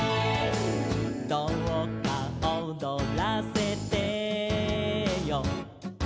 「どうか踊らせてよ」